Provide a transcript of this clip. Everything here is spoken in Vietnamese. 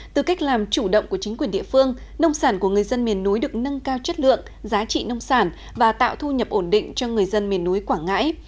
từ cách làm chủ động của chính quyền địa phương nông sản của người dân miền núi được nâng cao chất lượng giá trị nông sản và tạo thu nhập ổn định cho người dân miền núi quảng ngãi